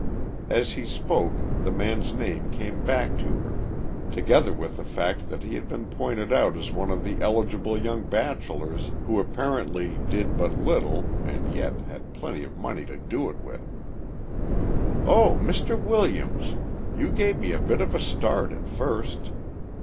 As he spoke the man's name came back to her, together with the fact that he had been pointed out as one of the eligible young bachelors who apparently did but little and yet had plenty of money to do it with. "Oh, Mr. Williams! You gave me a bit of a start at first.